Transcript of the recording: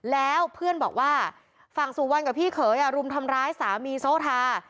แล้วเพื่อนบอกว่าฝั่งสุวรรณกับพี่เขยรุมทำร้ายสามีโซทา